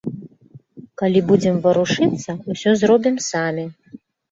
Калі будзем варушыцца, мы ўсё зробім самі.